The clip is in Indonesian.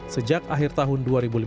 sejak akhir tahun dua ribu lima belas